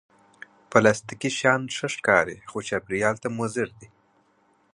پلاستيکي شیان ښه ښکاري، خو چاپېریال ته مضر دي